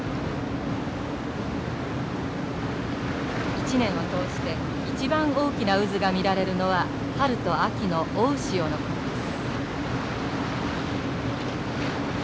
一年を通して一番大きな渦が見られるのは春と秋の大潮の時です。